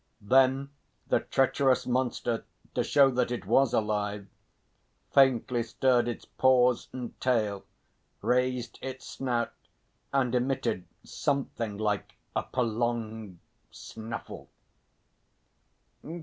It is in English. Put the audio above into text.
Then the treacherous monster, to show that it was alive, faintly stirred its paws and tail, raised its snout and emitted something like a prolonged snuffle.